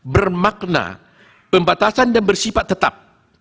bermakna pembatasan dan bersifat tetap